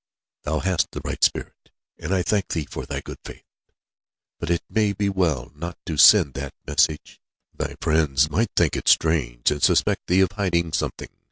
"Thou hast the right spirit, and I thank thee for thy good faith. But it may be well not to send that message. Thy friends might think it strange, and suspect thee of hiding something.